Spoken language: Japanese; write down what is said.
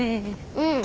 うん。